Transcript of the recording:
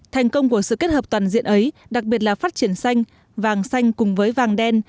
thành công của sự kết hợp toàn diện ấy đặc biệt là phát triển xanh vàng xanh cùng với vàng đen